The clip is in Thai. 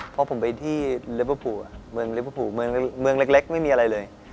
เพราะผมไปที่เมืองเล็กไม่มีอะไรเลย